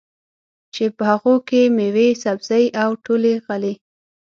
چې په هغو کې مېوې، سبزۍ او ټولې غلې